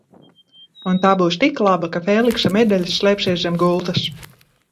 Un tā būs tik laba, ka Fēliksa medaļas slēpsies zem gultas!